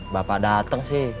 bapak dateng sih